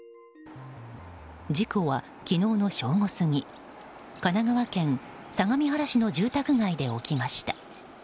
事故は、昨日正午ごろ神奈川県相模原市の住宅街で起きました。